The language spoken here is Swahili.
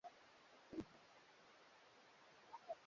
anteater kubwa ni hatari sana ingawa kama